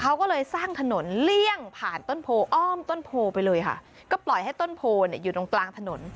เขาก็เลยสร้างถนนเลี่ยงผ่านต้นโพอ้อมต้นโพไปเลยค่ะก็ปล่อยให้ต้นโพเนี่ยอยู่ตรงกลางถนน